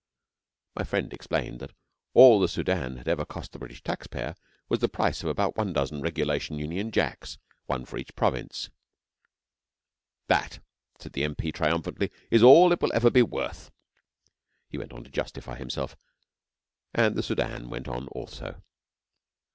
My friend explained that all the Soudan had ever cost the British taxpayer was the price of about one dozen of regulation Union Jacks one for each province. 'That,' said the M.P. triumphantly, 'is all it will ever be worth.' He went on to justify himself, and the Soudan went on also.